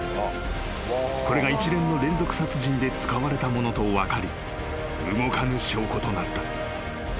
［これが一連の連続殺人で使われたものと分かり動かぬ証拠となった］